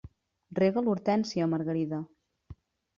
Rega l'hortènsia, Margarida.